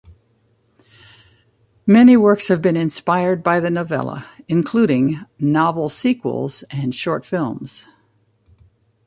Many works have been inspired by the novella, including novel sequels and short films.